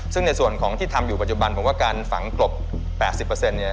ซึ่งในส่วนของที่ทำอยู่ปัจจุบันผมว่าการฝังกลบ๘๐เนี่ย